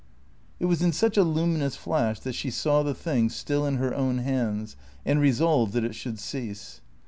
It was in such a luminous flash that she saw the thing still in her own hands, and resolved that it should cease.